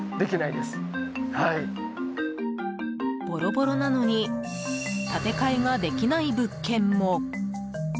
ボロボロなのに建て替えができない物件も。